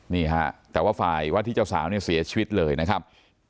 นี่ฮะแต่ว่าฝ่ายวัดที่เจ้าสาวเนี่ยเสียชีวิตเลยนะครับ